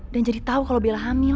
dan jadi tau kalau bella hamil